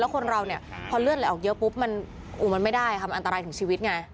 คนเราเนี่ยพอเลือดไหลออกเยอะปุ๊บมันไม่ได้ค่ะมันอันตรายถึงชีวิตไง